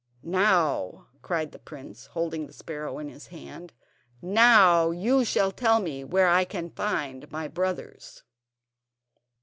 "Now," cried the prince, holding the sparrow in his hand, "now you shall tell me where I can find my brothers."